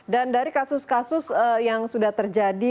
dan dari kasus kasus yang sudah terjadi